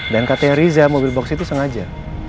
dan katanya riza mobil box itu sengaja